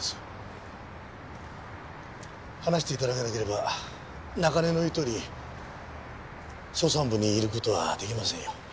話して頂かなければ中根の言うとおり捜査本部にいる事は出来ませんよ。